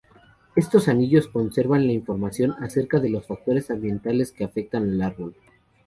Estos anillos conservan información acerca de los factores ambientales que afectan al árbol.